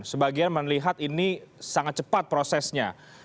sebagian melihat ini sangat cepat prosesnya